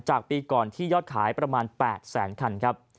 จากปีก่อนที่ยอดขายประมาณ๘๐๐๐๐๐คัน